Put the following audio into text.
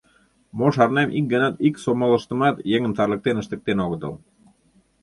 Мо шарнем, ик ганат ик сомылыштымат еҥым тарлыктен ыштыктен огытыл.